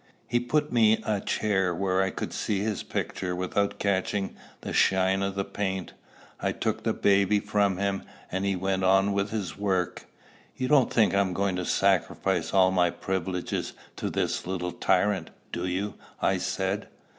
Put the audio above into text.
He put me a chair where I could see his picture without catching the shine of the paint. I took the baby from him, and he went on with his work. "You don't think I am going to sacrifice all my privileges to this little tyrant, do you?" I said.